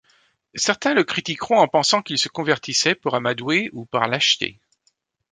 Certains le critiqueront en pensant qu'il se convertissait pour amadouer ou par lâcheté.